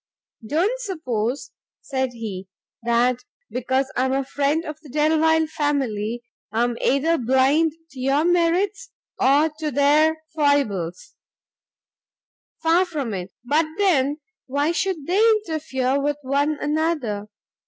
"Don't suppose," said he, "that because I am a friend of the Delvile family, I am either blind to your merits, or to their foibles, far from it; but then why should they interfere with one another?